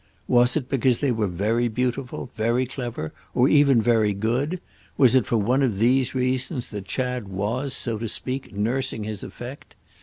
Was it because they were very beautiful, very clever, or even very good—was it for one of these reasons that Chad was, so to speak, nursing his effect?